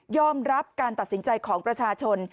รับการตัดสินใจของประชาชน